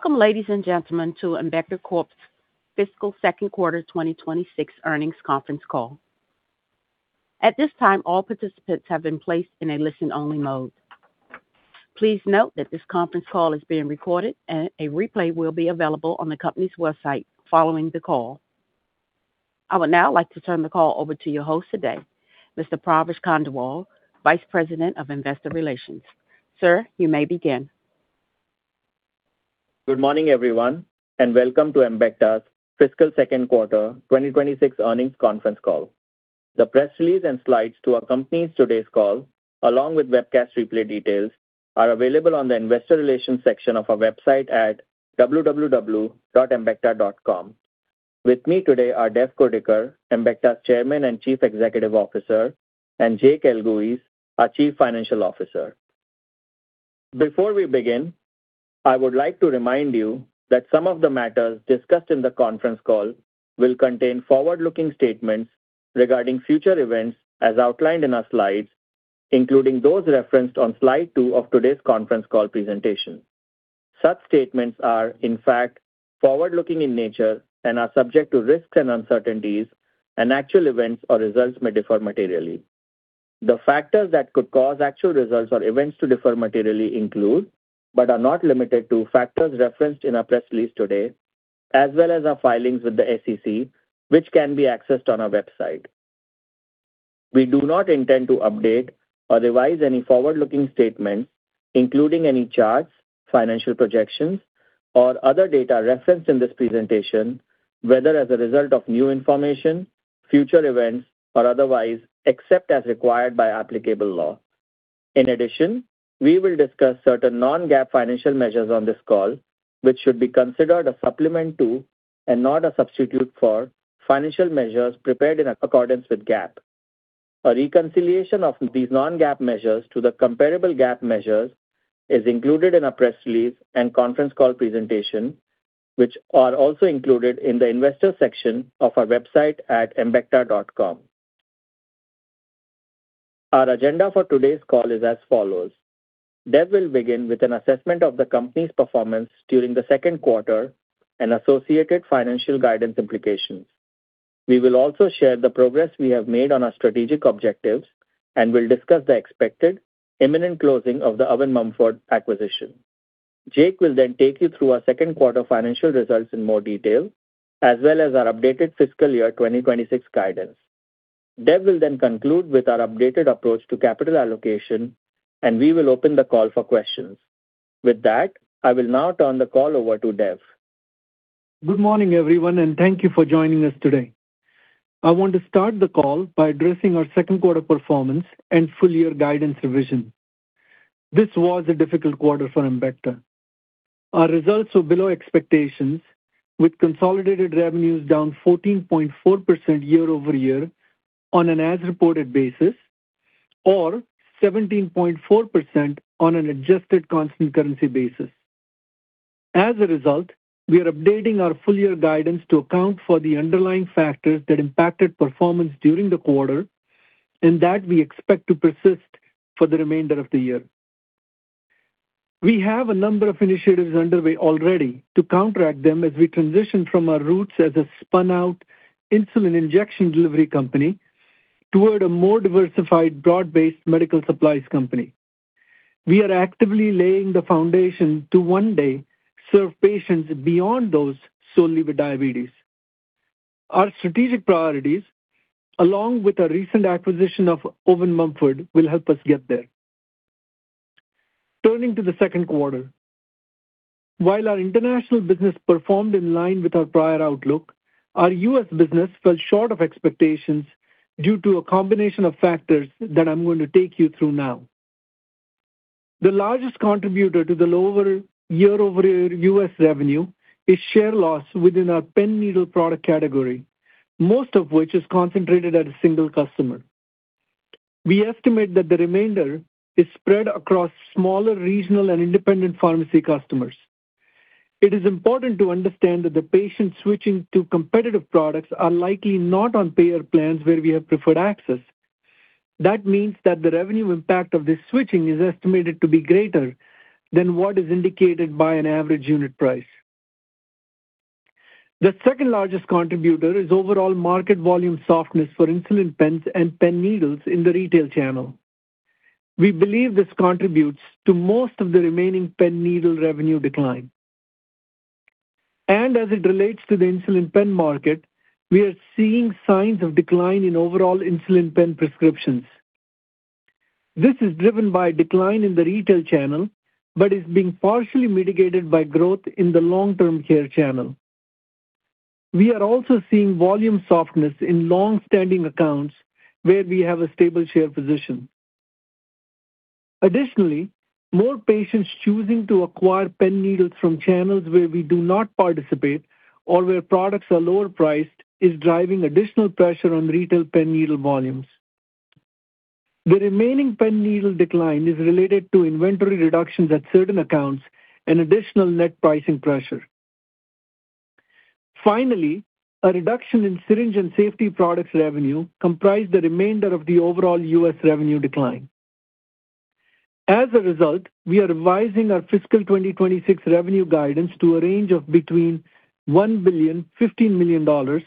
Welcome, ladies and gentlemen, to Embecta Corp.'s fiscal second quarter 2026 earnings conference call. At this time, all participants have been placed in a listen-only mode. Please note that this conference call is being recorded, and a replay will be available on the company's website following the call. I would now like to turn the call over to your host today, Mr. Pravesh Khandelwal, Vice President of Investor Relations. Sir, you may begin. Good morning, everyone, and welcome to Embecta's fiscal second quarter 2026 earnings conference call. The press release and slides to accompany today's call, along with webcast replay details, are available on the investor relations section of our website at www.embecta.com. With me today are Dev Kurdikar, Embecta's Chairman and Chief Executive Officer, and Jake Elguicze, our Chief Financial Officer. Before we begin, I would like to remind you that some of the matters discussed in the conference call will contain forward-looking statements regarding future events as outlined in our slides, including those referenced on slide two of today's conference call presentation. Such statements are, in fact, forward-looking in nature and are subject to risks and uncertainties, and actual events or results may differ materially. The factors that could cause actual results or events to differ materially include, but are not limited to, factors referenced in our press release today, as well as our filings with the SEC, which can be accessed on our website. We do not intend to update or revise any forward-looking statements, including any charts, financial projections, or other data referenced in this presentation, whether as a result of new information, future events, or otherwise, except as required by applicable law. In addition, we will discuss certain non-GAAP financial measures on this call, which should be considered a supplement to and not a substitute for financial measures prepared in accordance with GAAP. A reconciliation of these non-GAAP measures to the comparable GAAP measures is included in our press release and conference call presentation, which are also included in the investor section of our website at embecta.com. Our agenda for today's call is as follows. Dev will begin with an assessment of the company's performance during the second quarter and associated financial guidance implications. We will also share the progress we have made on our strategic objectives and will discuss the expected imminent closing of the Owen Mumford acquisition. Jake will then take you through our second quarter financial results in more detail, as well as our updated fiscal year 2026 guidance. Dev will then conclude with our updated approach to capital allocation, and we will open the call for questions. With that, I will now turn the call over to Dev. Good morning, everyone, and thank you for joining us today. I want to start the call by addressing our second quarter performance and full-year guidance revision. This was a difficult quarter for Embecta. Our results were below expectations, with consolidated revenues down 14.4% year-over-year on an as-reported basis or 17.4% on an adjusted constant currency basis. As a result, we are updating our full-year guidance to account for the underlying factors that impacted performance during the quarter and that we expect to persist for the remainder of the year. We have a number of initiatives underway already to counteract them as we transition from our roots as a spun out insulin injection delivery company toward a more diversified, broad-based medical supplies company. We are actively laying the foundation to one day serve patients beyond those solely with diabetes. Our strategic priorities, along with our recent acquisition of Owen Mumford, will help us get there. Turning to the second quarter. While our international business performed in line with our prior outlook, our U.S. business fell short of expectations due to a combination of factors that I'm going to take you through now. The largest contributor to the lower year-over-year U.S. revenue is share loss within our pen needle product category, most of which is concentrated at a single customer. We estimate that the remainder is spread across smaller regional and independent pharmacy customers. It is important to understand that the patients switching to competitive products are likely not on payer plans where we have preferred access. That means that the revenue impact of this switching is estimated to be greater than what is indicated by an average unit price. The second largest contributor is overall market volume softness for insulin pens and pen needles in the retail channel. We believe this contributes to most of the remaining pen needle revenue decline. As it relates to the insulin pen market, we are seeing signs of decline in overall insulin pen prescriptions. This is driven by a decline in the retail channel but is being partially mitigated by growth in the long-term care channel. We are also seeing volume softness in long-standing accounts where we have a stable share position. Additionally, more patients choosing to acquire pen needles from channels where we do not participate or where products are lower priced is driving additional pressure on retail pen needle volumes. The remaining pen needle decline is related to inventory reductions at certain accounts and additional net pricing pressure. Finally, a reduction in syringe and safety products revenue comprised the remainder of the overall U.S. revenue decline. As a result, we are revising our fiscal 2026 revenue guidance to a range of between $1.015 billion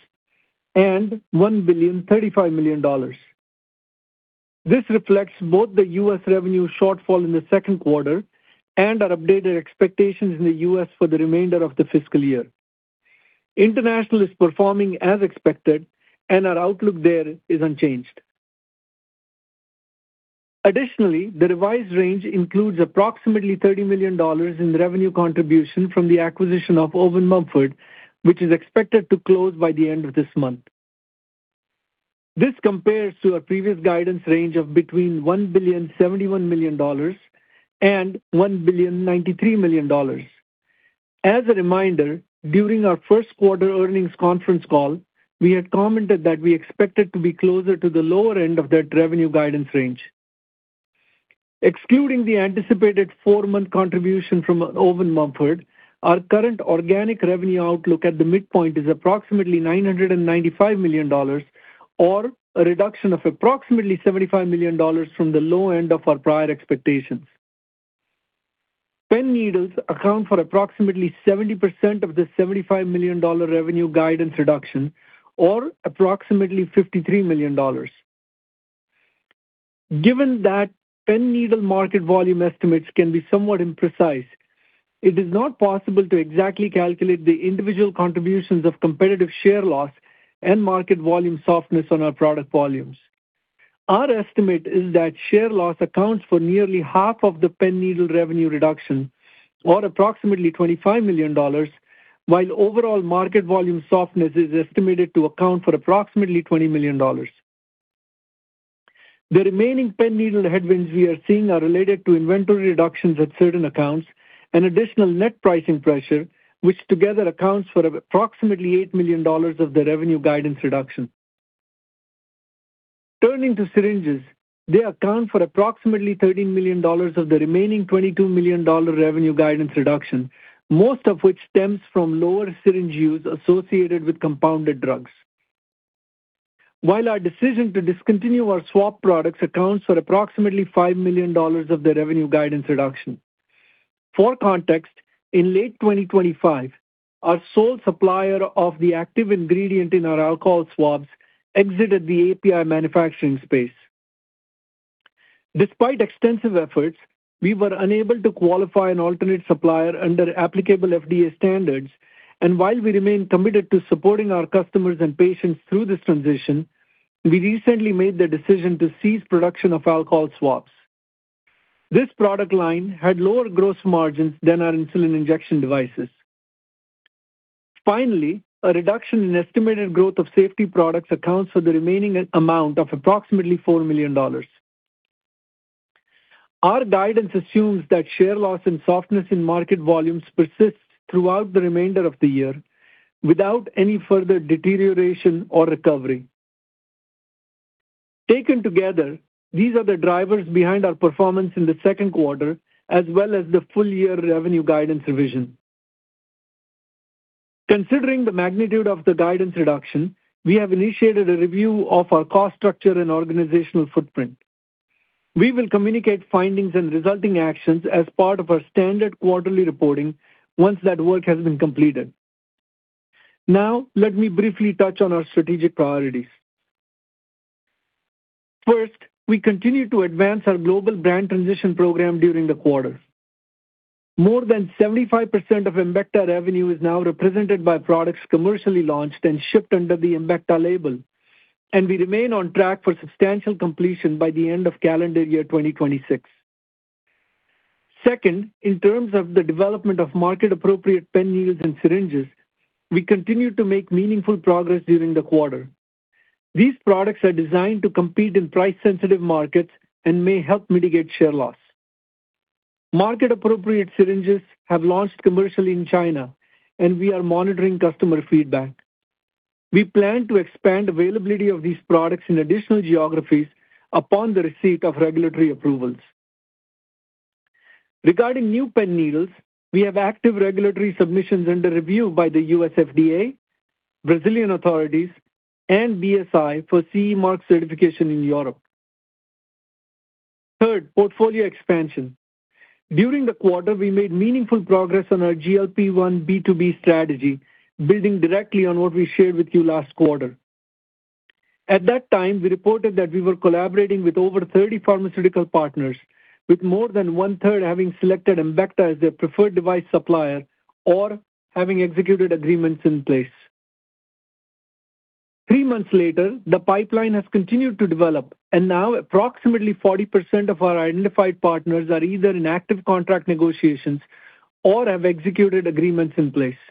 and $1.035 billion. This reflects both the U.S. revenue shortfall in the second quarter and our updated expectations in the U.S. for the remainder of the fiscal year. International is performing as expected, and our outlook there is unchanged. Additionally, the revised range includes approximately $30 million in revenue contribution from the acquisition of Owen Mumford, which is expected to close by the end of this month. This compares to our previous guidance range of between $1.071 billion and $1.093 billion. As a reminder, during our 1st quarter earnings conference call, we had commented that we expected to be closer to the lower end of that revenue guidance range. Excluding the anticipated four-month contribution from Owen Mumford, our current organic revenue outlook at the midpoint is approximately $995 million or a reduction of approximately $75 million from the low end of our prior expectations. pen needles account for approximately 70% of the $75 million revenue guidance reduction, or approximately $53 million. Given that pen needle market volume estimates can be somewhat imprecise, it is not possible to exactly calculate the individual contributions of competitive share loss and market volume softness on our product volumes. Our estimate is that share loss accounts for nearly half of the pen needle revenue reduction, or approximately $25 million, while overall market volume softness is estimated to account for approximately $20 million. The remaining pen needle headwinds we are seeing are related to inventory reductions at certain accounts and additional net pricing pressure, which together accounts for approximately $8 million of the revenue guidance reduction. Turning to syringes, they account for approximately $13 million of the remaining $22 million revenue guidance reduction, most of which stems from lower syringe use associated with compounded drugs. Our decision to discontinue our swab products accounts for approximately $5 million of the revenue guidance reduction. For context, in late 2025, our sole supplier of the active ingredient in our alcohol swabs exited the API manufacturing space. Despite extensive efforts, we were unable to qualify an alternate supplier under applicable FDA standards, and while we remain committed to supporting our customers and patients through this transition, we recently made the decision to cease production of alcohol swabs. This product line had lower gross margins than our insulin injection devices. Finally, a reduction in estimated growth of safety products accounts for the remaining amount of approximately $4 million. Our guidance assumes that share loss and softness in market volumes persists throughout the remainder of the year without any further deterioration or recovery. Taken together, these are the drivers behind our performance in the second quarter as well as the full-year revenue guidance revision. Considering the magnitude of the guidance reduction, we have initiated a review of our cost structure and organizational footprint. We will communicate findings and resulting actions as part of our standard quarterly reporting once that work has been completed. Let me briefly touch on our strategic priorities. First, we continue to advance our global brand transition program during the quarter. More than 75% of Embecta revenue is now represented by products commercially launched and shipped under the Embecta label, and we remain on track for substantial completion by the end of calendar year 2026. Second, in terms of the development of market-appropriate pen needles and syringes, we continue to make meaningful progress during the quarter. These products are designed to compete in price-sensitive markets and may help mitigate share loss. Market-appropriate syringes have launched commercially in China, and we are monitoring customer feedback. We plan to expand availability of these products in additional geographies upon the receipt of regulatory approvals. Regarding new pen needles, we have active regulatory submissions under review by the U.S. FDA, Brazilian authorities, and BSI for CE mark certification in Europe. Third, portfolio expansion. During the quarter, we made meaningful progress on our GLP-1 B2B strategy, building directly on what we shared with you last quarter. At that time, we reported that we were collaborating with over 30 pharmaceutical partners, with more than one-third having selected Embecta as their preferred device supplier or having executed agreements in place. Three months later, the pipeline has continued to develop. Now approximately 40% of our identified partners are either in active contract negotiations or have executed agreements in place.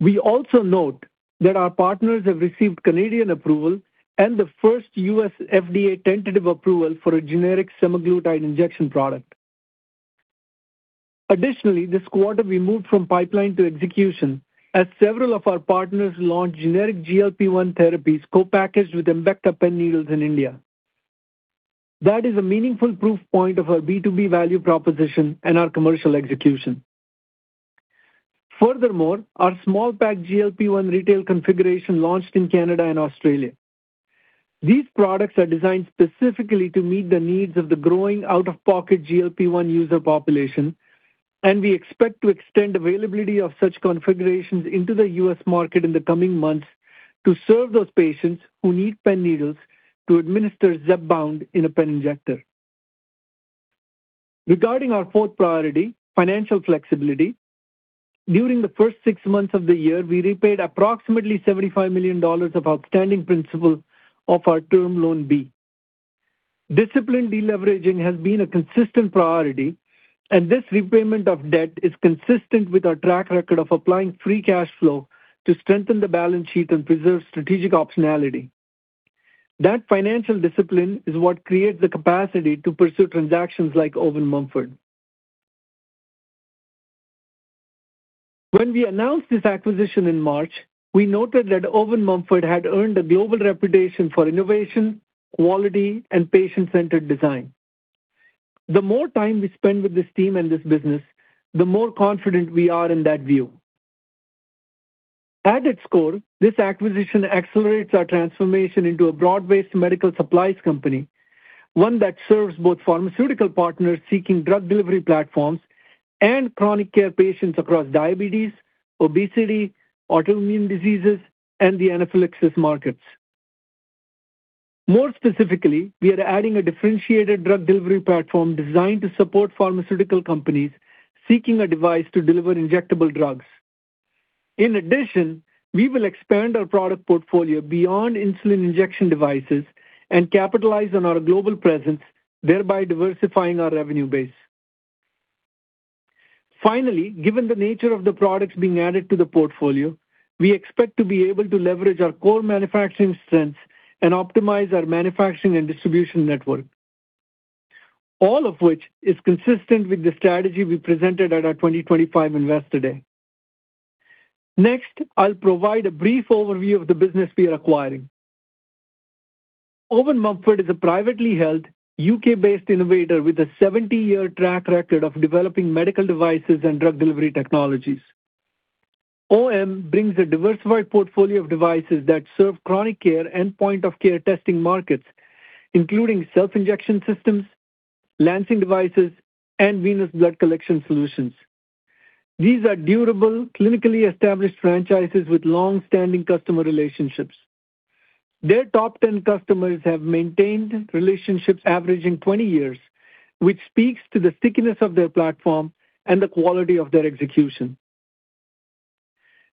We also note that our partners have received Canadian approval and the first U.S. FDA tentative approval for a generic semaglutide injection product. Additionally, this quarter we moved from pipeline to execution as several of our partners launched generic GLP-1 therapies co-packaged with Embecta pen needles in India. That is a meaningful proof point of our B2B value proposition and our commercial execution. Furthermore, our small pack GLP-1 retail configuration launched in Canada and Australia. These products are designed specifically to meet the needs of the growing out-of-pocket GLP-1 user population, and we expect to extend availability of such configurations into the U.S. market in the coming months to serve those patients who need pen needles to administer Zepbound in a pen injector. Regarding our fourth priority, financial flexibility, during the first six months of the year, we repaid approximately $75 million of outstanding principal of our Term Loan B. Disciplined deleveraging has been a consistent priority, and this repayment of debt is consistent with our track record of applying free cash flow to strengthen the balance sheet and preserve strategic optionality. That financial discipline is what creates the capacity to pursue transactions like Owen Mumford. When we announced this acquisition in March, we noted that Owen Mumford had earned a global reputation for innovation, quality, and patient-centered design. The more time we spend with this team and this business, the more confident we are in that view. At its core, this acquisition accelerates our transformation into a broad-based medical supplies company, one that serves both pharmaceutical partners seeking drug delivery platforms and chronic care patients across diabetes, obesity, autoimmune diseases, and the anaphylaxis markets. More specifically, we are adding a differentiated drug delivery platform designed to support pharmaceutical companies seeking a device to deliver injectable drugs. In addition, we will expand our product portfolio beyond insulin injection devices and capitalize on our global presence, thereby diversifying our revenue base. Finally, given the nature of the products being added to the portfolio, we expect to be able to leverage our core manufacturing strengths and optimize our manufacturing and distribution network. All of which is consistent with the strategy we presented at our 2025 Investor Day. Next, I'll provide a brief overview of the business we are acquiring. Owen Mumford is a privately held U.K.-based innovator with a 70-year track record of developing medical devices and drug delivery technologies. OM brings a diversified portfolio of devices that serve chronic care and point-of-care testing markets, including self-injection systems, lancing devices, and venous blood collection solutions. These are durable, clinically established franchises with long-standing customer relationships. Their top 10 customers have maintained relationships averaging 20 years, which speaks to the stickiness of their platform and the quality of their execution.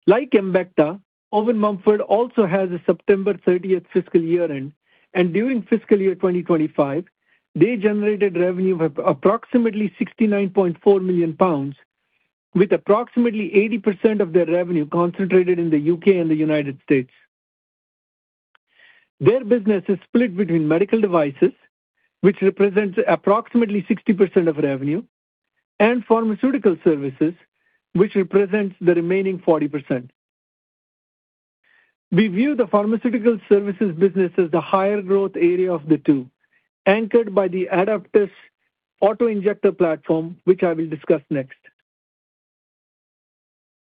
Like Embecta, Owen Mumford also has a September 30th fiscal year-end, and during fiscal year 2025, they generated revenue of approximately 69.4 million pounds, with approximately 80% of their revenue concentrated in the U.K. and the U.S. Their business is split between medical devices, which represents approximately 60% of revenue, and pharmaceutical services, which represents the remaining 40%. We view the pharmaceutical services business as the higher growth area of the two, anchored by the Aidaptus autoinjector platform, which I will discuss next.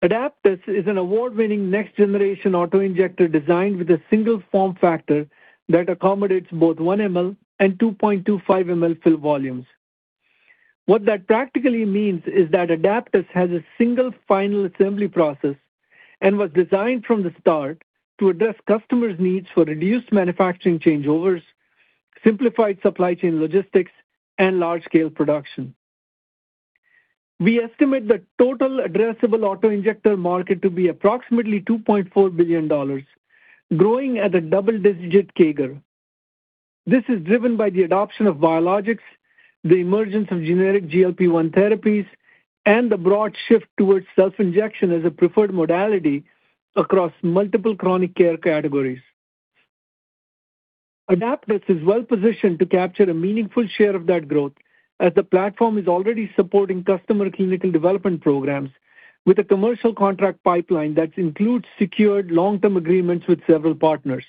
Aidaptus is an award-winning next generation autoinjector designed with a single form factor that accommodates both 1 ml and 2.25 ml fill volumes. What that practically means is that Aidaptus has a single final assembly process and was designed from the start to address customers' needs for reduced manufacturing changeovers, simplified supply chain logistics, and large scale production. We estimate the total addressable autoinjector market to be approximately $2.4 billion, growing at a double-digit CAGR. This is driven by the adoption of biologics, the emergence of generic GLP-1 therapies, and the broad shift towards self-injection as a preferred modality across multiple chronic care categories. Aidaptus is well-positioned to capture a meaningful share of that growth as the platform is already supporting customer clinical development programs with a commercial contract pipeline that includes secured long-term agreements with several partners.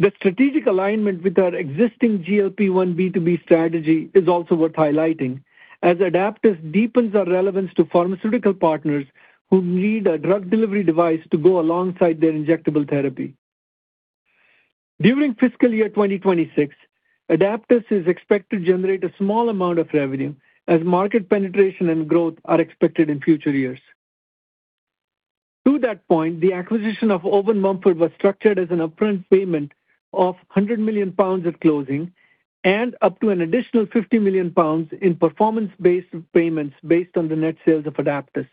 The strategic alignment with our existing GLP-1 B2B strategy is also worth highlighting, as Aidaptus deepens our relevance to pharmaceutical partners who need a drug delivery device to go alongside their injectable therapy. During fiscal year 2026, Aidaptus is expected to generate a small amount of revenue as market penetration and growth are expected in future years. To that point, the acquisition of Owen Mumford was structured as an upfront payment of 100 million pounds at closing and up to an additional 50 million pounds in performance-based payments based on the net sales of Aidaptus.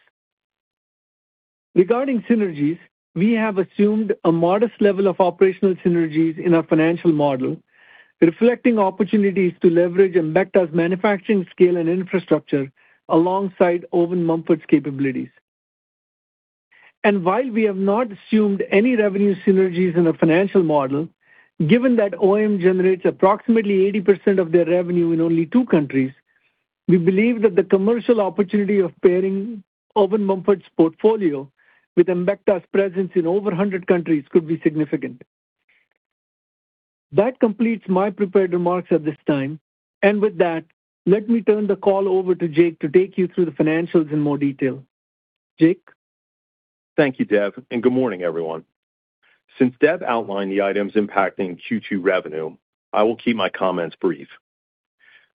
Regarding synergies, we have assumed a modest level of operational synergies in our financial model, reflecting opportunities to leverage Embecta's manufacturing scale and infrastructure alongside Owen Mumford's capabilities. While we have not assumed any revenue synergies in our financial model, given that OM generates approximately 80% of their revenue in only two countries. We believe that the commercial opportunity of pairing Owen Mumford's portfolio with Embecta's presence in over 100 countries could be significant. That completes my prepared remarks at this time. With that, let me turn the call over to Jake to take you through the financials in more detail. Jake. Thank you, Dev. Good morning, everyone. Since Dev outlined the items impacting Q2 revenue, I will keep my comments brief.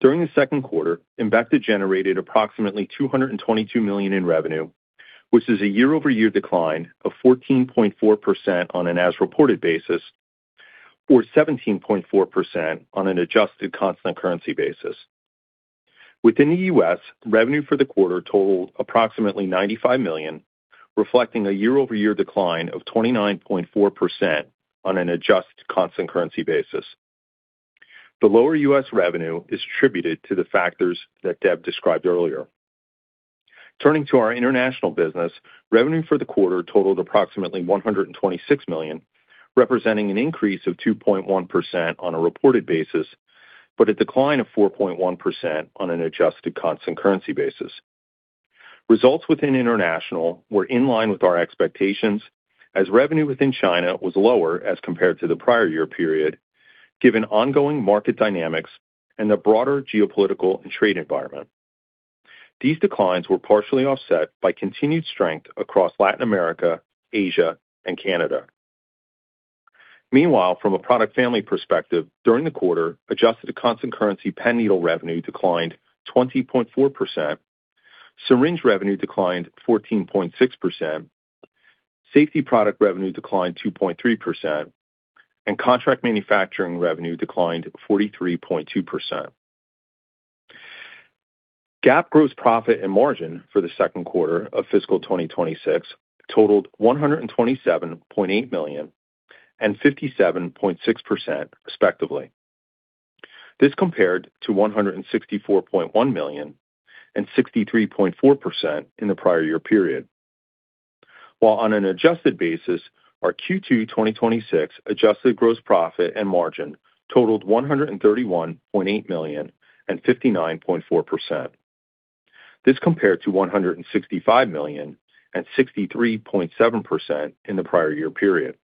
During the second quarter, Embecta generated approximately $222 million in revenue, which is a year-over-year decline of 14.4% on an as-reported basis or 17.4% on an adjusted constant currency basis. Within the U.S., revenue for the quarter totaled approximately $95 million, reflecting a year-over-year decline of 29.4% on an adjusted constant currency basis. The lower U.S. revenue is attributed to the factors that Dev described earlier. Turning to our international business, revenue for the quarter totaled approximately $126 million, representing an increase of 2.1% on a reported basis, but a decline of 4.1% on an adjusted constant currency basis. Results within international were in line with our expectations as revenue within China was lower as compared to the prior year period, given ongoing market dynamics and the broader geopolitical and trade environment. These declines were partially offset by continued strength across Latin America, Asia, and Canada. Meanwhile, from a product family perspective, during the quarter, adjusted to constant currency pen needle revenue declined 20.4%, syringe revenue declined 14.6%, safety product revenue declined 2.3%, and contract manufacturing revenue declined 43.2%. GAAP gross profit and margin for the second quarter of fiscal 2026 totaled $127.8 million and 57.6%, respectively. This compared to $164.1 million and 63.4% in the prior year period. While on an adjusted basis, our Q2 2026 adjusted gross profit and margin totaled $131.8 million and 59.4%. This compared to $165 million and 63.7% in the prior year period.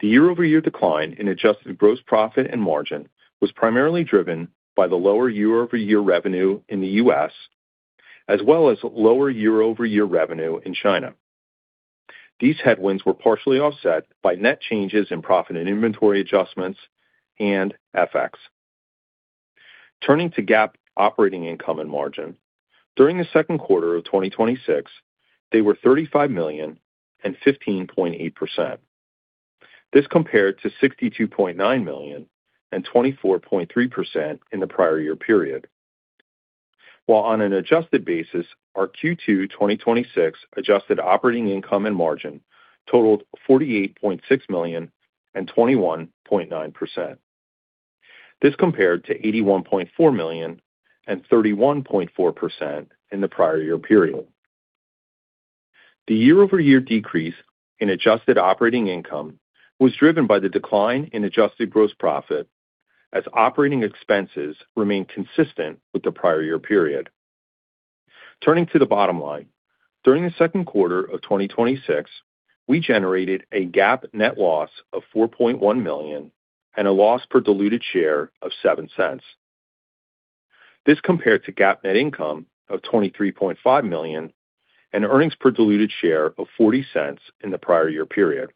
The year-over-year decline in adjusted gross profit and margin was primarily driven by the lower year-over-year revenue in the U.S., as well as lower year-over-year revenue in China. These headwinds were partially offset by net changes in profit and inventory adjustments and FX. Turning to GAAP operating income and margin, during the second quarter of 2026, they were $35 million and 15.8%. This compared to $62.9 million and 24.3% in the prior year period. While on an adjusted basis, our Q2 2026 adjusted operating income and margin totaled $48.6 million and 21.9%. This compared to $81.4 million and 31.4% in the prior year period. The year-over-year decrease in adjusted operating income was driven by the decline in adjusted gross profit as operating expenses remained consistent with the prior year period. Turning to the bottom line. During the second quarter of 2026, we generated a GAAP net loss of $4.1 million and a loss per diluted share of $0.07. This compared to GAAP net income of $23.5 million and earnings per diluted share of $0.40 in the prior year period.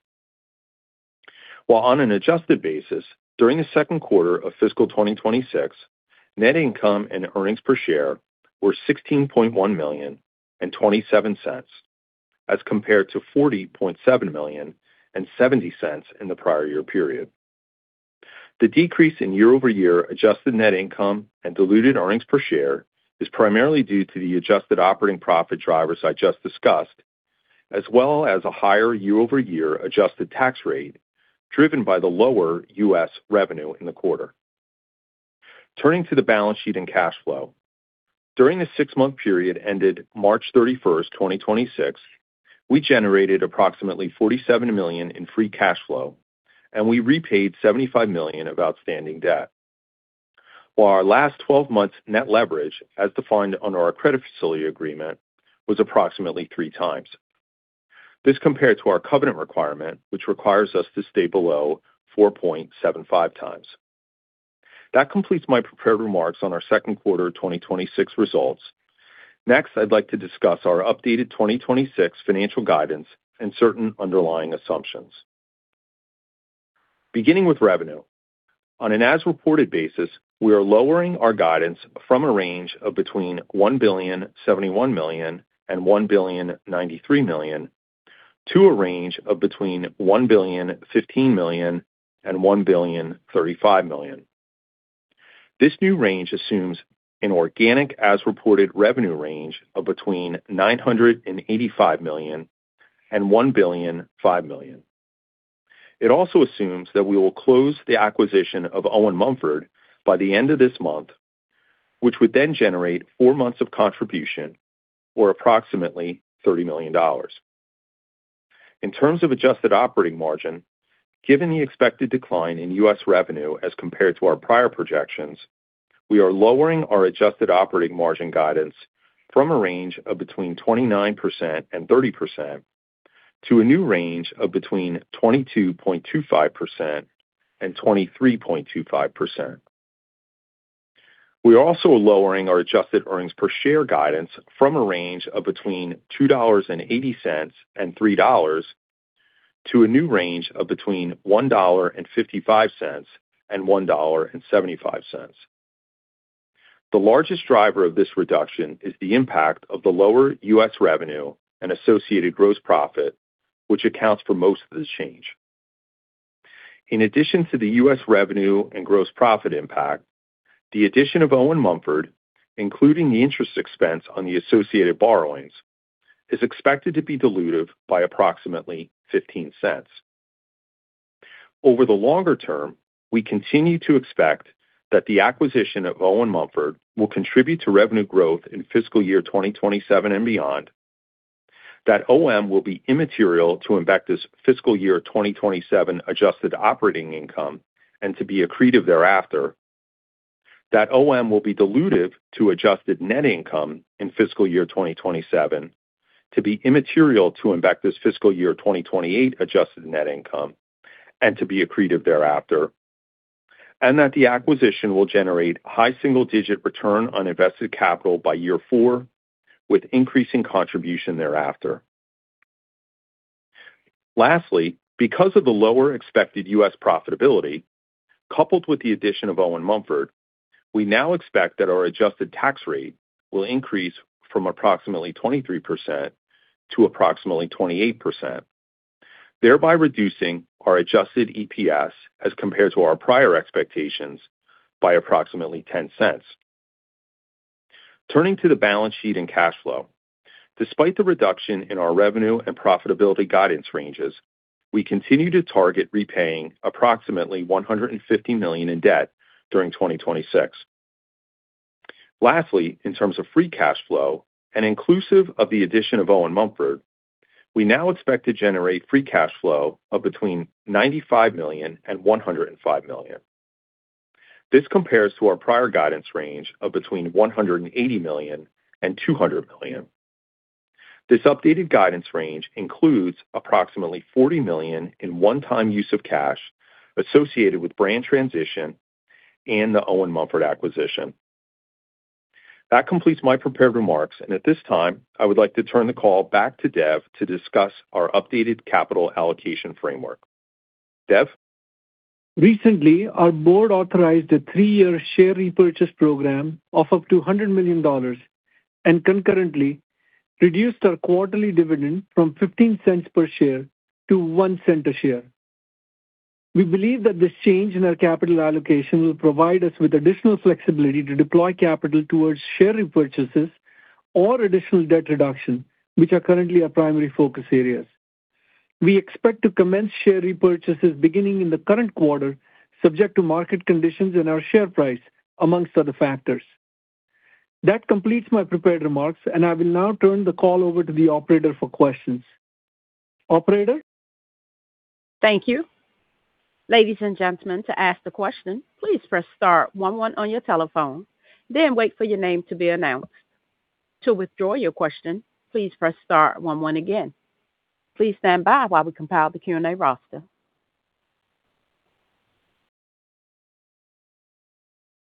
While on an adjusted basis, during the second quarter of fiscal 2026, net income and earnings per share were $16.1 million and $0.27 as compared to $40.7 million and $0.70 in the prior year period. The decrease in year-over-year adjusted net income and diluted earnings per share is primarily due to the adjusted operating profit drivers I just discussed, as well as a higher year-over-year adjusted tax rate driven by the lower U.S. revenue in the quarter. Turning to the balance sheet and cash flow. During the six-month period ended March 31st, 2026, we generated approximately $47 million in free cash flow, and we repaid $75 million of outstanding debt, while our last 12 months net leverage, as defined under our credit facility agreement, was approximately 3x. This compared to our covenant requirement, which requires us to stay below 4.75x. That completes my prepared remarks on our second quarter 2026 results. I'd like to discuss our updated 2026 financial guidance and certain underlying assumptions. Beginning with revenue. On an as-reported basis, we are lowering our guidance from a range of between $1.071 billion and $1.093 billion to a range of between $1.015 billion and $1.035 billion. This new range assumes an organic as-reported revenue range of between $985 million and $1.005 billion. It also assumes that we will close the acquisition of Owen Mumford by the end of this month, which would then generate four months of contribution or approximately $30 million. In terms of adjusted operating margin, given the expected decline in U.S. revenue as compared to our prior projections, we are lowering our adjusted operating margin guidance from a range of between 29% and 30% to a new range of between 22.25% and 23.25%. We are also lowering our adjusted earnings per share guidance from a range of between $2.80 and $3.00 to a new range of between $1.55 and $1.75. The largest driver of this reduction is the impact of the lower U.S. revenue and associated gross profit, which accounts for most of this change. In addition to the U.S. revenue and gross profit impact, the addition of Owen Mumford, including the interest expense on the associated borrowings, is expected to be dilutive by approximately $0.15. Over the longer term, we continue to expect that the acquisition of Owen Mumford will contribute to revenue growth in fiscal year 2027 and beyond. That OM will be immaterial to Embecta's fiscal year 2027 adjusted operating income and to be accretive thereafter. That OM will be dilutive to adjusted net income in fiscal year 2027, to be immaterial to Embecta's fiscal year 2028 adjusted net income, and to be accretive thereafter. That the acquisition will generate high single-digit return on invested capital by year four, with increasing contribution thereafter. Lastly, because of the lower expected U.S. profitability, coupled with the addition of Owen Mumford, we now expect that our adjusted tax rate will increase from approximately 23% to approximately 28%, thereby reducing our adjusted EPS as compared to our prior expectations by approximately $0.10. Turning to the balance sheet and cash flow. Despite the reduction in our revenue and profitability guidance ranges, we continue to target repaying approximately $150 million in debt during 2026. Lastly, in terms of free cash flow and inclusive of the addition of Owen Mumford, we now expect to generate free cash flow of between $95 million and $105 million. This compares to our prior guidance range of between $180 million and $200 million. This updated guidance range includes approximately $40 million in one-time use of cash associated with brand transition and the Owen Mumford acquisition. That completes my prepared remarks, and at this time, I would like to turn the call back to Dev to discuss our updated capital allocation framework. Dev. Recently, our board authorized a three-year share repurchase program of up to $100 million and concurrently reduced our quarterly dividend from $0.15 per share to $0.01 a share. We believe that this change in our capital allocation will provide us with additional flexibility to deploy capital towards share repurchases or additional debt reduction, which are currently our primary focus areas. We expect to commence share repurchases beginning in the current quarter, subject to market conditions and our share price, amongst other factors. That completes my prepared remarks, and I will now turn the call over to the operator for questions. Operator. Thank you. Ladies and gentlemen, to ask the question, please press star one one on your telephone, then wait for your name to be announced. To withdraw your question, please press star one one again. Please stand by while we compile the Q&A roster.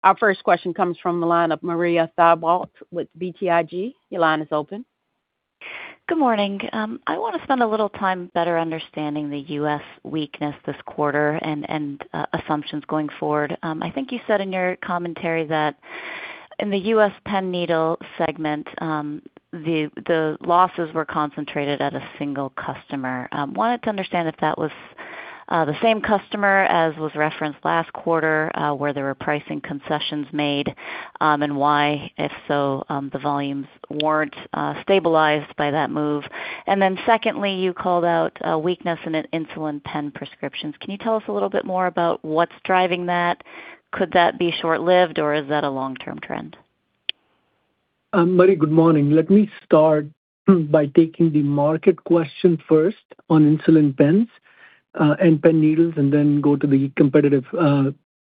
Our first question comes from the line of Marie Thibault with BTIG. Your line is open. Good morning. I want to spend a little time better understanding the U.S. weakness this quarter and assumptions going forward. I think you said in your commentary that in the U.S. pen needle segment, the losses were concentrated at a single customer. Wanted to understand if that was the same customer as was referenced last quarter, where there were pricing concessions made, and why, if so, the volumes weren't stabilized by that move. Secondly, you called out weakness in insulin pen prescriptions. Can you tell us a little bit more about what's driving that? Could that be short-lived, or is that a long-term trend? Marie, good morning. Let me start by taking the market question first on insulin pens and pen needles, and then go to the competitive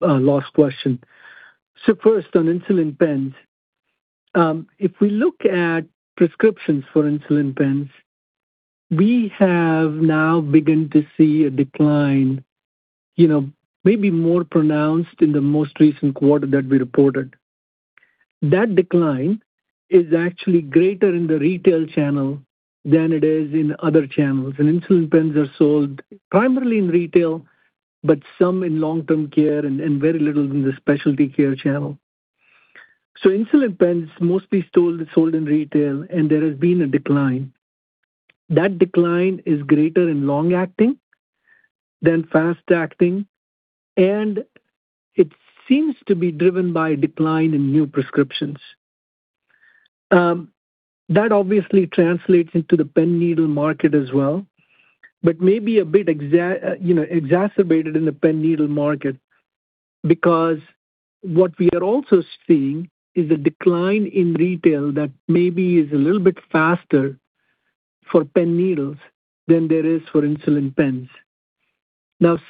last question. First, on insulin pens, if we look at prescriptions for insulin pens, we have now begun to see a decline, you know, maybe more pronounced in the most recent quarter that we reported. That decline is actually greater in the retail channel than it is in other channels. Insulin pens are sold primarily in retail, but some in long-term care and very little in the specialty care channel. Insulin pens mostly sold in retail, and there has been a decline. That decline is greater in long-acting than fast-acting, and it seems to be driven by decline in new prescriptions. That obviously translates into the pen needle market as well, but maybe a bit, you know, exacerbated in the pen needle market. What we are also seeing is a decline in retail that maybe is a little bit faster for pen needles than there is for insulin pens.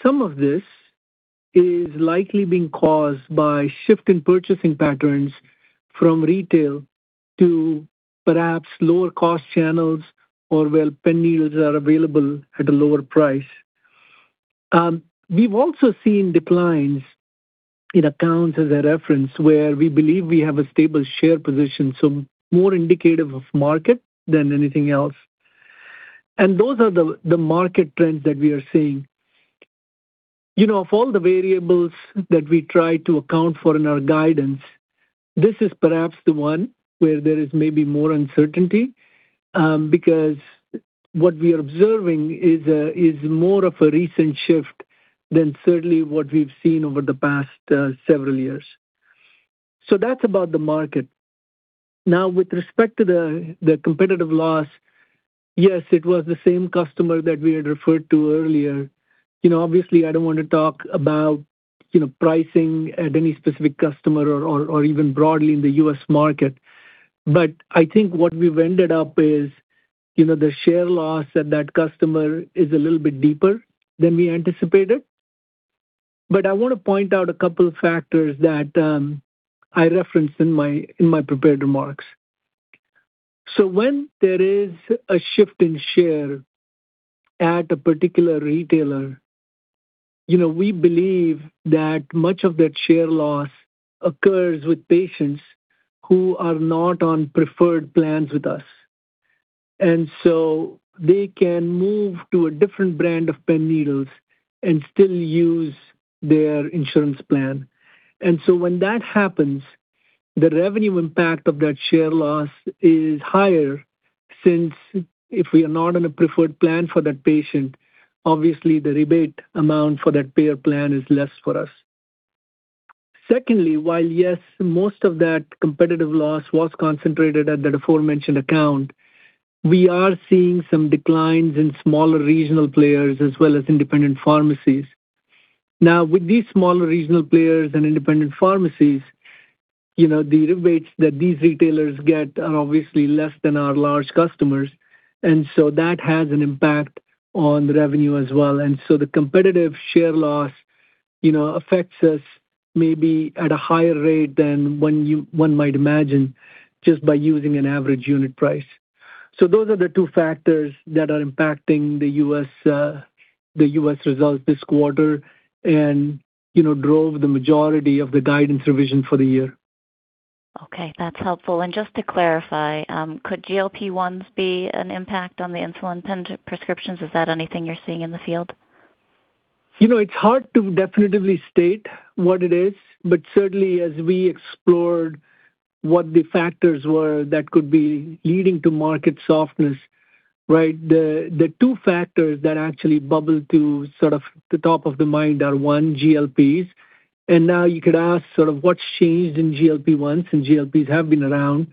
Some of this is likely being caused by shift in purchasing patterns from retail to perhaps lower cost channels or where pen needles are available at a lower price. We've also seen declines in accounts as a reference where we believe we have a stable share position, so more indicative of market than anything else. Those are the market trends that we are seeing. You know, of all the variables that we try to account for in our guidance, this is perhaps the one where there is maybe more uncertainty, because what we are observing is more of a recent shift than certainly what we've seen over the past several years. That's about the market. Now, with respect to the competitive loss, yes, it was the same customer that we had referred to earlier. You know, obviously, I don't wanna talk about, you know, pricing at any specific customer or even broadly in the U.S. market. I think what we've ended up is, you know, the share loss at that customer is a little bit deeper than we anticipated. I wanna point out a couple of factors that I referenced in my prepared remarks. When there is a shift in share at a particular retailer, you know, we believe that much of that share loss occurs with patients who are not on preferred plans with us. They can move to a different brand of pen needles and still use their insurance plan. When that happens, the revenue impact of that share loss is higher, since if we are not on a preferred plan for that patient, obviously the rebate amount for that payer plan is less for us. Secondly, while, yes, most of that competitive loss was concentrated at the aforementioned account, we are seeing some declines in smaller regional players as well as independent pharmacies. With these smaller regional players and independent pharmacies, you know, the rebates that these retailers get are obviously less than our large customers. That has an impact on revenue as well. The competitive share loss, you know, affects us maybe at a higher rate than one might imagine just by using an average unit price. Those are the two factors that are impacting the U.S. results this quarter and, you know, drove the majority of the guidance revision for the year. Okay, that's helpful. Just to clarify, could GLP-1s be an impact on the insulin pen prescriptions? Is that anything you're seeing in the field? You know, it's hard to definitively state what it is, but certainly as we explored what the factors were that could be leading to market softness, right? The two factors that actually bubbled to sort of the top of the mind are 1 GLPs. Now you could ask sort of what's changed in GLP-1s, GLPs have been around.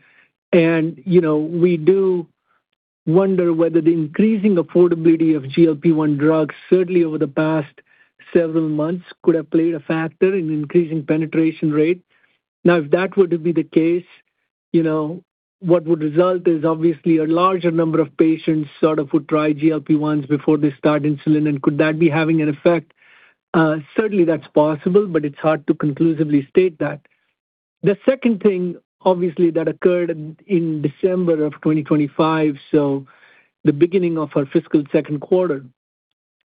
You know, we do wonder whether the increasing affordability of GLP-1 drugs certainly over the past several months could have played a factor in increasing penetration rate. If that were to be the case, you know, what would result is obviously a larger number of patients sort of would try GLP-1s before they start insulin, could that be having an effect? Certainly that's possible, it's hard to conclusively state that. The second thing, obviously, that occurred in December of 2025, so the beginning of our fiscal second quarter,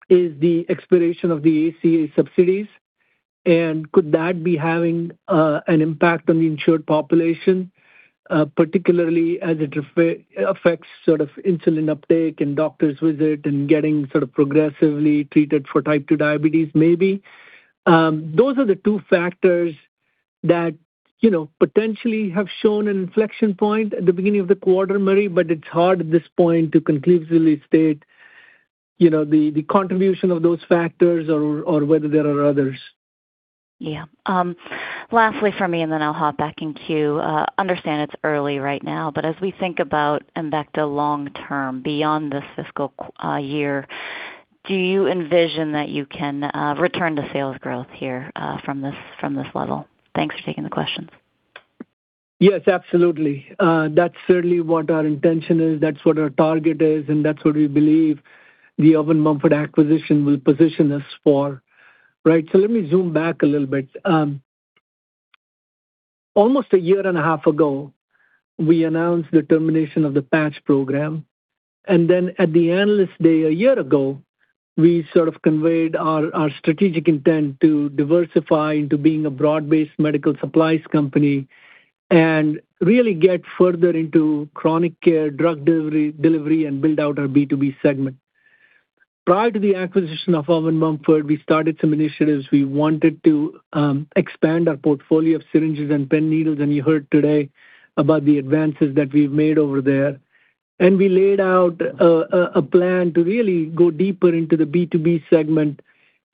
is the expiration of the ACA subsidies. Could that be having an impact on the insured population, particularly as it affects sort of insulin uptake and doctor's visit and getting sort of progressively treated for type 2 diabetes maybe? Those are the two factors that, you know, potentially have shown an inflection point at the beginning of the quarter, Marie, but it's hard at this point to conclusively state, you know, the contribution of those factors or whether there are others. Yeah. Lastly from me, and then I'll hop back in queue. Understand it's early right now, but as we think about Embecta long term, beyond this fiscal year, do you envision that you can return to sales growth here from this, from this level? Thanks for taking the questions. Yes, absolutely. That's certainly what our intention is, that's what our target is, and that's what we believe the Owen Mumford acquisition will position us for, right? Let me zoom back a little bit. Almost a year and a half ago, we announced the termination of the patch pump program. At the Analyst Day a year ago, we sort of conveyed our strategic intent to diversify into being a broad-based medical supplies company and really get further into chronic care, drug delivery, and build out our B2B segment. Prior to the acquisition of Owen Mumford, we started some initiatives. We wanted to expand our portfolio of syringes and pen needles, and you heard today about the advances that we've made over there. We laid out a plan to really go deeper into the B2B segment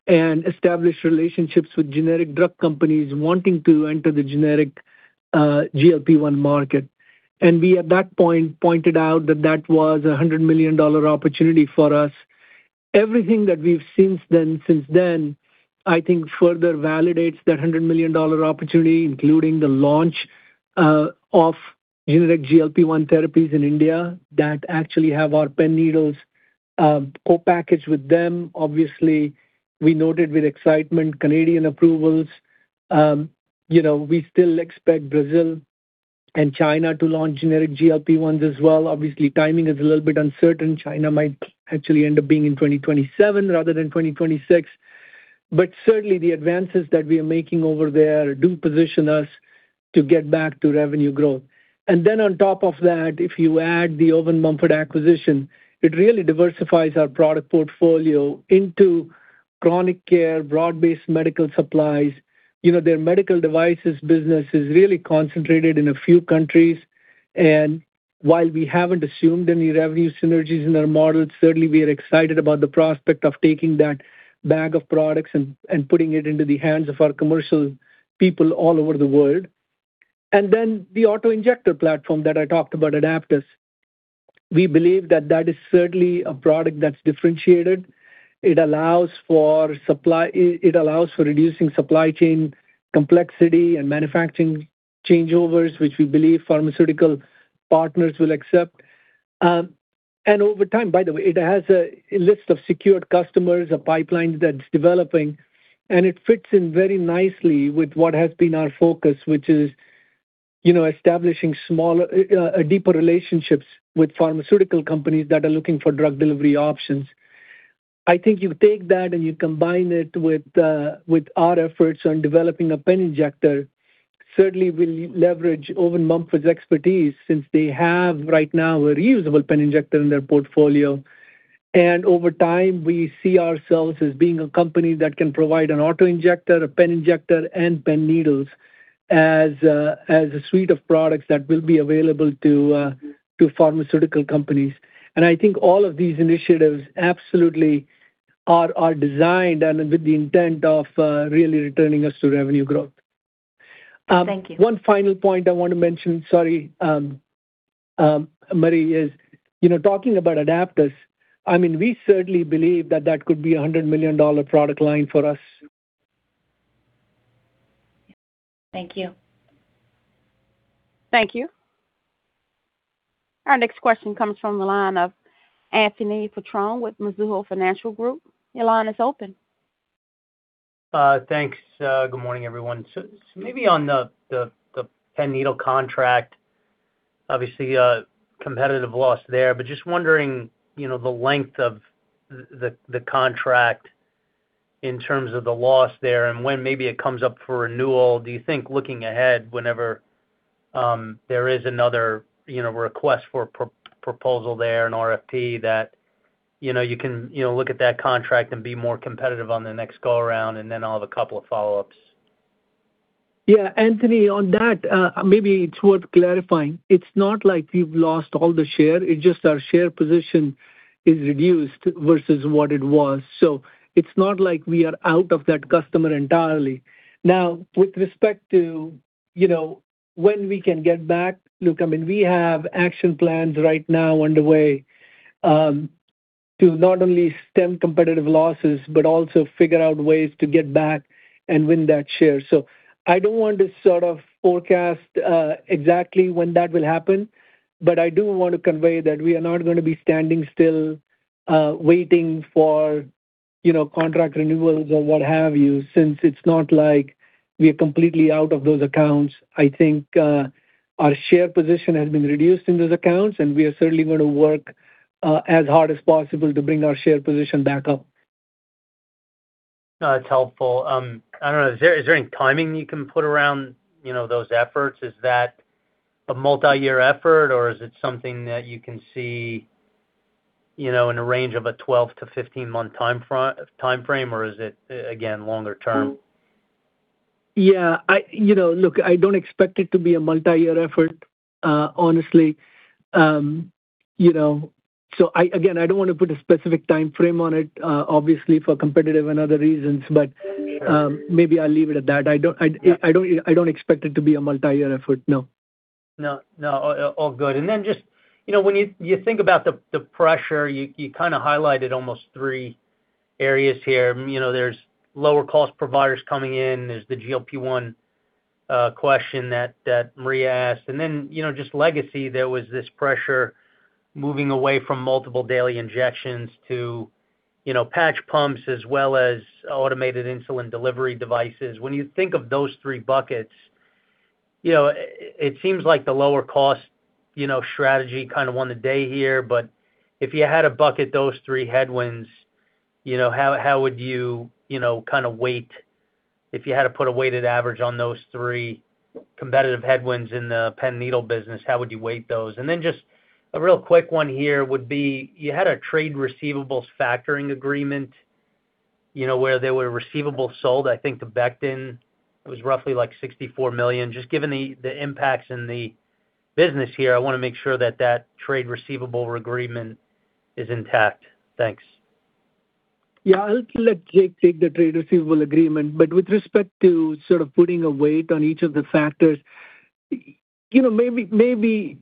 and establish relationships with generic drug companies wanting to enter the generic GLP-1 market. We at that point pointed out that that was a $100 million opportunity for us. Everything that we've seen since then, I think further validates that $100 million opportunity, including the launch of generic GLP-1 therapies in India that actually have our pen needles co-packaged with them. Obviously, we noted with excitement Canadian approvals. You know, we still expect Brazil and China to launch generic GLP-1s as well. Obviously, timing is a little bit uncertain. China might actually end up being in 2027 rather than 2026. Certainly the advances that we are making over there do position us to get back to revenue growth. On top of that, if you add the Owen Mumford acquisition, it really diversifies our product portfolio into chronic care, broad-based medical supplies. You know, their medical devices business is really concentrated in a few countries, and while we haven't assumed any revenue synergies in our model, certainly we are excited about the prospect of taking that bag of products and putting it into the hands of our commercial people all over the world. The autoinjector platform that I talked about, Aidaptus, we believe that that is certainly a product that's differentiated. It allows for reducing supply chain complexity and manufacturing changeovers, which we believe pharmaceutical partners will accept. Over time, by the way, it has a list of secured customers, a pipeline that's developing, and it fits in very nicely with what has been our focus, which is, you know, establishing smaller, deeper relationships with pharmaceutical companies that are looking for drug delivery options. I think you take that and you combine it with our efforts on developing a pen injector, certainly we'll leverage Owen Mumford's expertise since they have right now a reusable pen injector in their portfolio. Over time, we see ourselves as being a company that can provide an autoinjector, a pen injector, and pen needles as a suite of products that will be available to pharmaceutical companies. I think all of these initiatives absolutely are designed and with the intent of really returning us to revenue growth. Thank you. One final point I want to mention, sorry, Marie, is, you know, talking about Aidaptus, I mean, we certainly believe that that could be a $100 million product line for us. Thank you. Thank you. Our next question comes from the line of Anthony Petrone with Mizuho Financial Group. Your line is open. Thanks. Good morning, everyone. Maybe on the pen needle contract, obviously a competitive loss there, but just wondering, you know, the length of the contract in terms of the loss there and when maybe it comes up for renewal. Do you think looking ahead, whenever there is another, you know, request for proposal there, an RFP that, you know, you can, you know, look at that contract and be more competitive on the next go around? I'll have a couple of follow-ups. Yeah, Anthony, on that, maybe it's worth clarifying. It's not like we've lost all the share. It's just our share position is reduced versus what it was. It's not like we are out of that customer entirely. Now, with respect to, you know, when we can get back, look, I mean, we have action plans right now underway, to not only stem competitive losses, but also figure out ways to get back and win that share. I don't want to sort of forecast exactly when that will happen, but I do want to convey that we are not going to be standing still, waiting for, you know, contract renewals or what have you, since it's not like we are completely out of those accounts. I think, our share position has been reduced in those accounts, and we are certainly going to work as hard as possible to bring our share position back up. No, it's helpful. I don't know, is there any timing you can put around, you know, those efforts? Is that a multi-year effort or is it something that you can see, you know, in a range of a 12 to 15-month timeframe, or is it again, longer term? Yeah. You know, look, I don't expect it to be a multi-year effort, honestly. You know, I, again, I don't want to put a specific timeframe on it, obviously for competitive and other reasons, but, maybe I'll leave it at that. I don't expect it to be a multi-year effort, no. No, no. All good. Just, you know, when you think about the pressure, you kind of highlighted almost three areas here. You know, there's lower cost providers coming in. There's the GLP-1 question that Marie asked. Then, you know, just legacy, there was this pressure moving away from multiple daily injections to, you know, patch pumps as well as automated insulin delivery devices. When you think of those three buckets, you know, it seems like the lower cost, you know, strategy kind of won the day here. If you had to bucket those three headwinds, if you had to put a weighted average on those three competitive headwinds in the pen needle business, how would you weight those? Just a real quick one here would be, you had a trade receivables factoring agreement, you know, where there were receivables sold, I think to Becton. It was roughly like $64 million. Just given the impacts in the business here, I want to make sure that that trade receivable agreement is intact. Thanks. Yeah. I'll let Jake take the trade receivable agreement. With respect to sort of putting a weight on each of the factors, you know, maybe,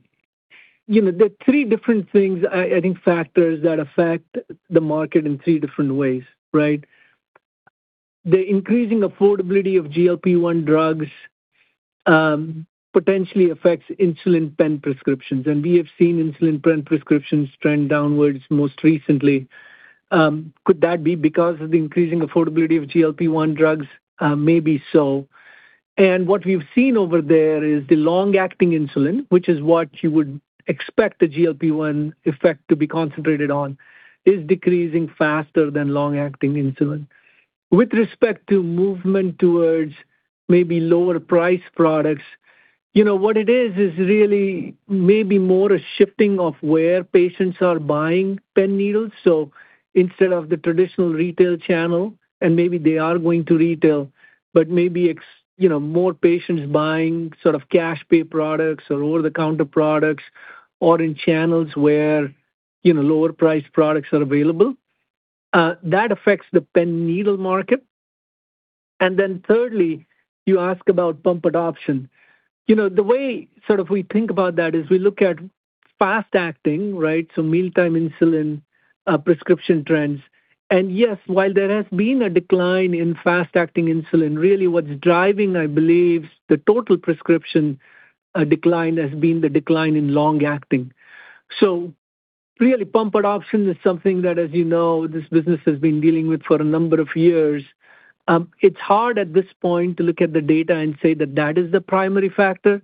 you know, there are three different things, I think factors that affect the market in three different ways, right? The increasing affordability of GLP-1 drugs potentially affects insulin pen prescriptions, and we have seen insulin pen prescriptions trend downwards most recently. Could that be because of the increasing affordability of GLP-1 drugs? Maybe so. What we've seen over there is the long-acting insulin, which is what you would expect the GLP-1 effect to be concentrated on, is decreasing faster than long-acting insulin. With respect to movement towards maybe lower priced products, you know, what it is really maybe more a shifting of where patients are buying pen needles. Instead of the traditional retail channel, and maybe they are going to retail, but maybe you know, more patients buying sort of cash pay products or over-the-counter products or in channels where, you know, lower priced products are available. That affects the pen needle market. Thirdly, you ask about pump adoption. You know, the way sort of we think about that is we look at fast-acting, right, so mealtime insulin, prescription trends. Yes, while there has been a decline in fast-acting insulin, really what's driving, I believe, the total prescription, decline has been the decline in long-acting. Really pump adoption is something that, as you know, this business has been dealing with for a number of years. It's hard at this point to look at the data and say that that is the primary factor,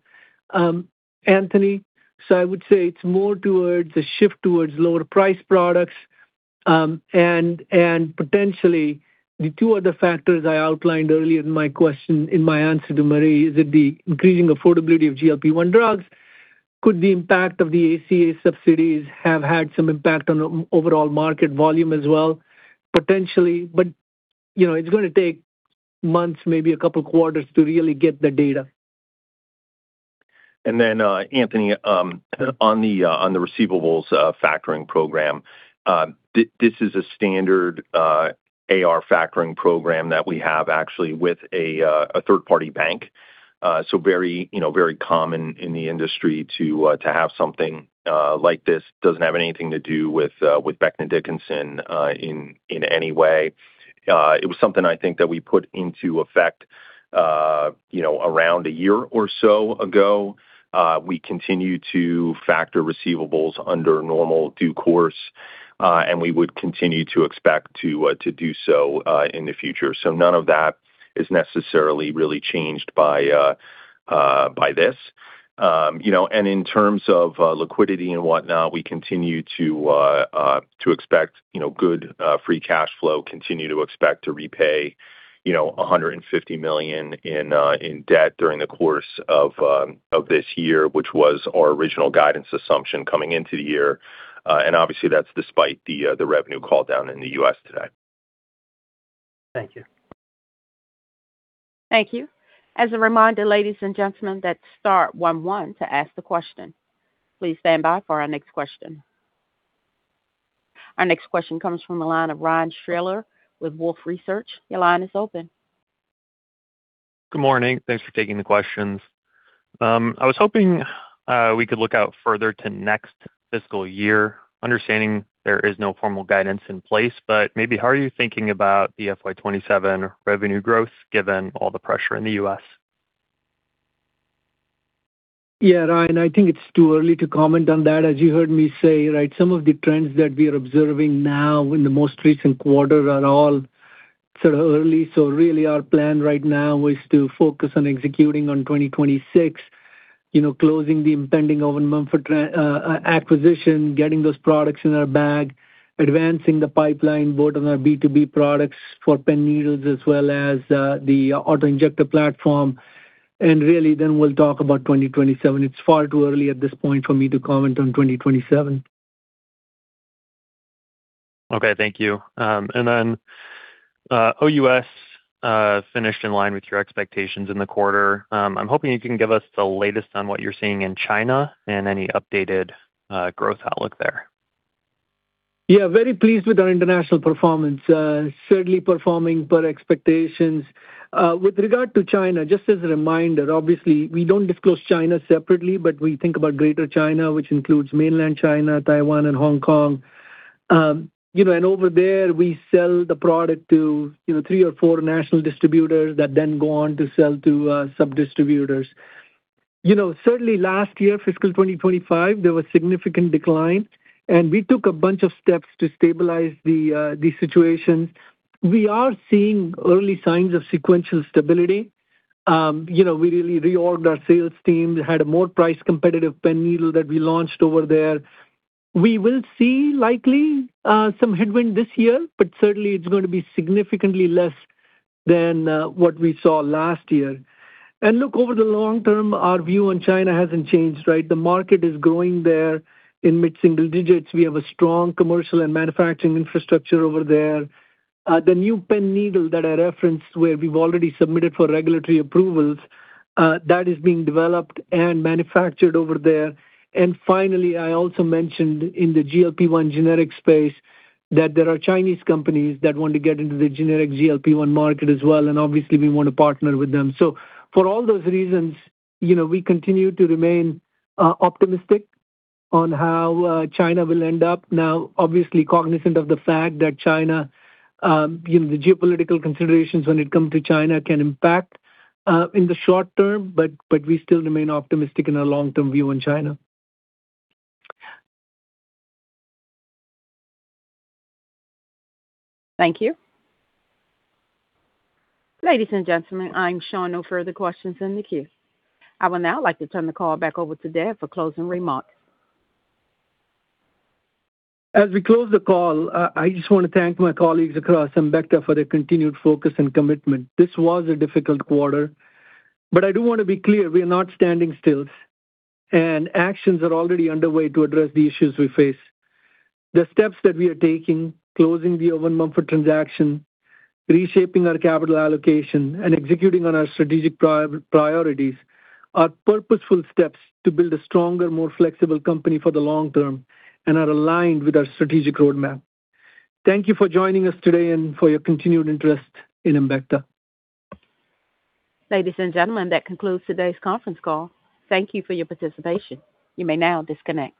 Anthony. I would say it's more towards a shift towards lower priced products. And potentially the two other factors I outlined earlier in my question, in my answer to Marie, is it the increasing affordability of GLP-1 drugs. Could the impact of the ACA subsidies have had some impact on overall market volume as well? Potentially, but you know, it's gonna take months, maybe a couple quarters to really get the data. Anthony, on the receivables factoring program. This is a standard AR factoring program that we have actually with a third-party bank. Very, you know, very common in the industry to have something like this. Doesn't have anything to do with Becton Dickinson in any way. It was something I think that we put into effect, you know, around one year or so ago. We continue to factor receivables under normal due course, and we would continue to expect to do so in the future. None of that is necessarily really changed by this. You know, in terms of liquidity and whatnot, we continue to expect, you know, good free cash flow, continue to expect to repay, you know, $150 million in debt during the course of this year, which was our original guidance assumption coming into the year. Obviously that's despite the revenue call down in the U.S. today. Thank you. Thank you. As a reminder, ladies and gentlemen, that's star one one to ask the question. Please stand by for our next question. Our next question comes from the line of Ryan Schiller with Wolfe Research. Your line is open. Good morning. Thanks for taking the questions. I was hoping we could look out further to next fiscal year, understanding there is no formal guidance in place, but maybe how are you thinking about the FY 2027 revenue growth given all the pressure in the U.S.? Yeah, Ryan, I think it's too early to comment on that. As you heard me say, right, some of the trends that we are observing now in the most recent quarter are all sort of early. Really our plan right now is to focus on executing on 2026, you know, closing the impending Owen Mumford acquisition, getting those products in our bag, advancing the pipeline both on our B2B products for pen needles as well as the autoinjector platform. Really then we'll talk about 2027. It's far too early at this point for me to comment on 2027. Okay. Thank you. OUS finished in line with your expectations in the quarter. I'm hoping you can give us the latest on what you're seeing in China and any updated growth outlook there. Yeah. Very pleased with our international performance. Certainly performing per expectations. With regard to China, just as a reminder, obviously we don't disclose China separately, but we think about Greater China, which includes mainland China, Taiwan and Hong Kong. You know, over there we sell the product to, you know, three or four national distributors that then go on to sell to sub-distributors. You know, certainly last year, fiscal 2025, there was significant decline, we took a bunch of steps to stabilize the situation. We are seeing early signs of sequential stability. You know, we really reorg-ed our sales team, had a more price competitive pen needle that we launched over there. We will see likely some headwind this year, certainly it's going to be significantly less than what we saw last year. Over the long term, our view on China hasn't changed, right? The market is growing there in mid-single digits. We have a strong commercial and manufacturing infrastructure over there. The new pen needle that I referenced where we've already submitted for regulatory approvals, that is being developed and manufactured over there. Finally, I also mentioned in the GLP-1 generic space that there are Chinese companies that want to get into the generic GLP-1 market as well, and obviously we want to partner with them. For all those reasons, you know, we continue to remain optimistic on how China will end up. Obviously cognizant of the fact that China, you know, the geopolitical considerations when it comes to China can impact in the short term, but we still remain optimistic in our long-term view on China. Thank you. Ladies and gentlemen, I am showing no further questions in the queue. I would now like to turn the call back over to Dev for closing remarks. As we close the call, I just want to thank my colleagues across Embecta for their continued focus and commitment. This was a difficult quarter, but I do want to be clear, we are not standing still, and actions are already underway to address the issues we face. The steps that we are taking, closing the Owen Mumford transaction, reshaping our capital allocation, and executing on our strategic priorities are purposeful steps to build a stronger, more flexible company for the long term and are aligned with our strategic roadmap. Thank you for joining us today and for your continued interest in Embecta. Ladies and gentlemen, that concludes today's conference call. Thank you for your participation. You may now disconnect.